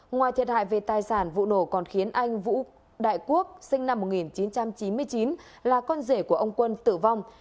ngoài thiệt hại về tài sản vụ nổ còn khiến anh vũ đại quốc sinh năm một nghìn chín trăm chín mươi chín là con rể của ông quân tử vong